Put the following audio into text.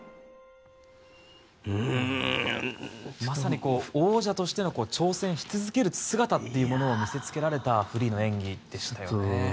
まさに王者としての挑戦し続ける姿というものを見せつけられたフリーの演技でしたよね。